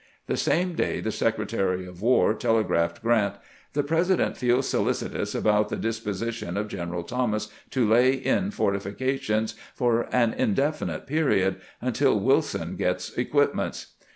The same day the Secretary of War telegraphed G rant :" The President feels solicitous about the dis position of General Thomas to lay in fortifications for an indefinite period 'untU Wilson gets equipments.'